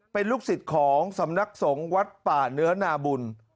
เป็นลูกศิษย์ของสำนักสงฆ์วัดป่าเนื้อนาบุญ